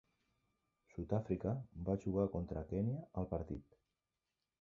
Sud-àfrica va jugar contra Kenya al partit.